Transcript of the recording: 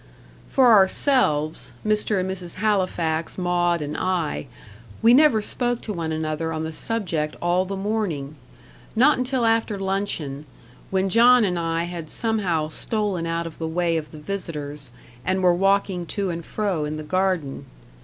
For ourselves Mr. and Mrs. Halifax, Maud and I we never spoke to one another on the subject all the morning. Not until after luncheon, when John and I had somehow stolen out of the way of the visitors, and were walking to and fro in the garden.